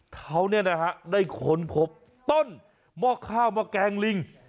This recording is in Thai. เขาเนี่ยนะครับได้ค้นพบต้นมอกข้าวมาแกงลิง